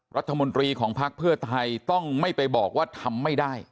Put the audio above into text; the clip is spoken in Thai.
รัฐมนตรีของพักเพื่อไทยต้องไม่ไปบอกว่าทำไม่ได้